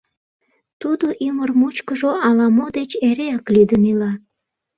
Тудо ӱмыр мучкыжо ала-мо деч эреак лӱдын ила.